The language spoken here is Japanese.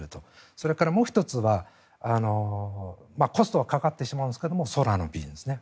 それからもう１つはコストはかかってしまうんですが空の便ですね。